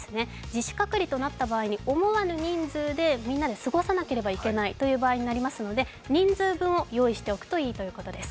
自主隔離となった場合に、人数でみんなで過ごさなきゃいけないという場合になりますので人数分を用意しておくといいということです。